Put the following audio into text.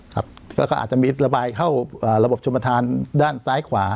ก็ก็อาจจะมีระบายเข้ารบบชมธารด้านซ้ายขวา